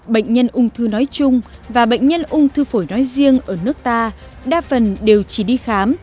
bệnh nhân ung thư nói chung và bệnh nhân ung thư phổi nói riêng ở nước ta đa phần đều chỉ đi khám